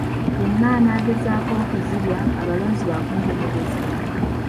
Yenna anaagezaako okuzirya, abalonzi baakumubonereza.